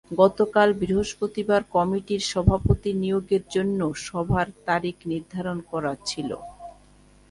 গতকাল বৃহস্পতিবার কমিটির সভাপতি নিয়োগের জন্য সভার তারিখ নির্ধারণ করা ছিল।